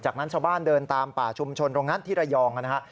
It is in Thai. จากนั้นชาวบ้านเดินตามป่าชุมชนตรงนั้นที่ระยองนะฮะ